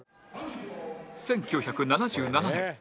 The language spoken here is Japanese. １９７７年